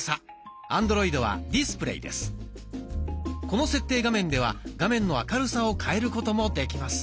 この設定画面では画面の明るさを変えることもできます。